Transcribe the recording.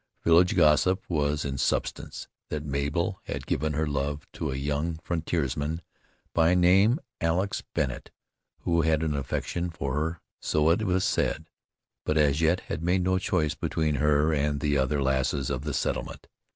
Village gossip was in substance, that Mabel had given her love to a young frontiersman, by name Alex Bennet, who had an affection for her, so it was said, but as yet had made no choice between her and the other lasses of the settlement.